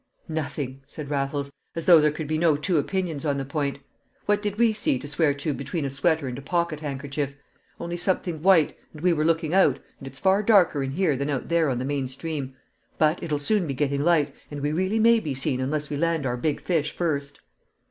"Nothing," said Raffles, as though there could be no two opinions on the point. "What did we see to swear to between a sweater and a pocket handkerchief? Only something white, and we were looking out, and it's far darker in here than out there on the main stream. But it'll soon be getting light, and we really may be seen unless we land our big fish first."